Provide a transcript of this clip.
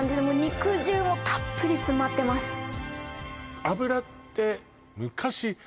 もう肉汁もたっぷり詰まってます